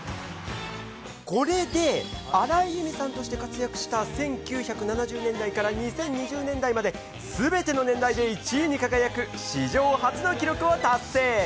これで、荒井由実さんとして活躍した１９７０年代から２０２０年代まで、すべての年代で１位に輝く史上初の記録を達成。